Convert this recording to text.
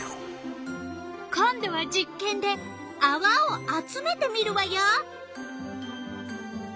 今度は実験であわを集めてみるわよ。